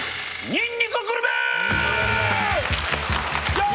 にんにくグルメ！